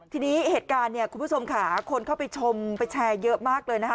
ทีนี้เหตุการณ์เนี่ยคุณผู้ชมค่ะคนเข้าไปชมไปแชร์เยอะมากเลยนะคะ